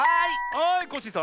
はいコッシーさん。